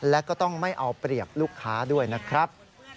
และก็ต้องไม่เอาเปรียบลูกค้าด้วยนะครับ